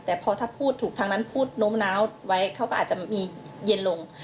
แต่พอถ้าพูดถูกทางนั้นพูดโน้มน้าวไว้เขาก็อาจจะมีเย็นลง